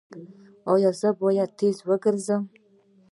ایا زه باید په تیږو وګرځم؟